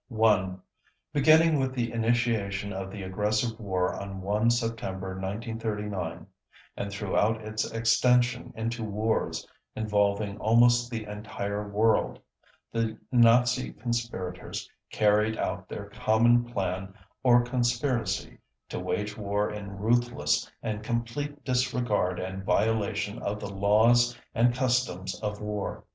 1. Beginning with the initiation of the aggressive war on 1 September 1939, and throughout its extension into wars involving almost the entire world, the Nazi conspirators carried out their common plan or conspiracy to wage war in ruthless and complete disregard and violation of the laws and customs of war.